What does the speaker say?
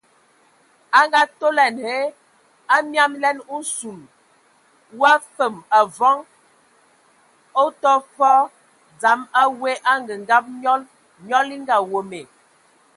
A ngaatolɛn hə,a miamlɛn nsul o afəm avɔŋ o tɔ fə dzam a we angəngab nyɔl, nyɔl e ngaweme.